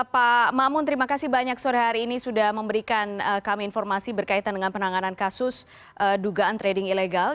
pak ⁇ maamun ⁇ terima kasih banyak sore hari ini sudah memberikan kami informasi berkaitan dengan penanganan kasus dugaan trading ilegal